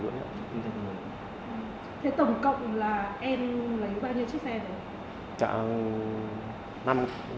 thế tổng cộng là em lấy bao nhiêu chiếc xe rồi